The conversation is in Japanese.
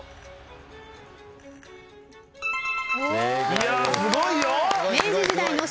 いやすごいよ。